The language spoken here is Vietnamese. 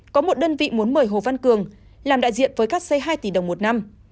có một đơn vị muốn mời hồ văn cường làm đại diện với các xây hai tỷ đồng một năm